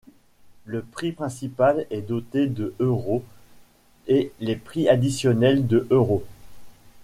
Le prix principal est doté de euros et les prix additionnels de euros.